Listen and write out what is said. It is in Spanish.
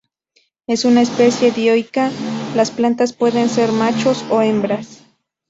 Es una especie dioica, las plantas pueden ser machos o hembras.